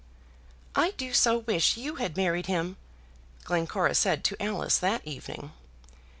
"I do so wish you had married him!" Glencora said to Alice that evening.